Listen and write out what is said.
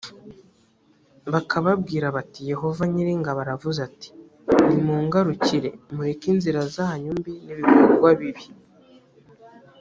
bakababwira bati “yehova nyir’ingabo aravuze ati “nimungarukire mureke inzira zanyu mbi n’ibibikorwa bibi”